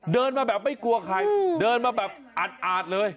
เดินมาแบบไม่กลัวใครเดินมาแบบอาดเลย